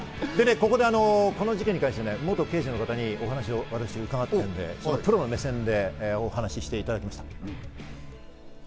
ここでこの事件に関して元刑事の方にお話を伺っているので、プロの目線でお話をしていただきました。